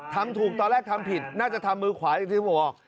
ทำถูกตอนแรกทำผิดน่าจะทำมือขวาอย่างที่ผมบอก